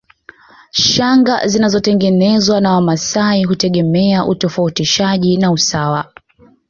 Shanga zinazotengenezwa na Wamasai hutegemea utofautishaji na usawa